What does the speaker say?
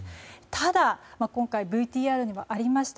ただ、今回ＶＴＲにもありました